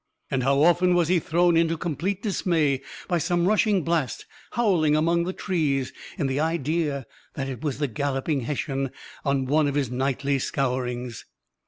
and how often was he thrown into complete dismay by some rushing blast, howling among the trees, in the idea that it was the galloping Hessian on one of his nightly scourings!